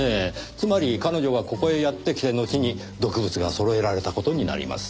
つまり彼女がここへやって来てのちに毒物が揃えられた事になります。